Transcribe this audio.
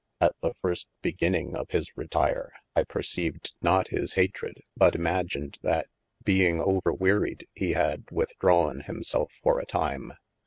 At the first beginnyng of his retyre I perceived not his hatred, but imagened that being over wearied, he had withdrawen himself for a time.